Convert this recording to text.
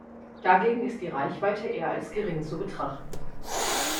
Dagegen ist die Reichweite eher als gering zu betrachten.